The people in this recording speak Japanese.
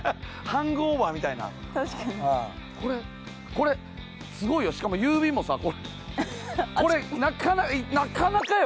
これすごいよしかも郵便もさなかなかよ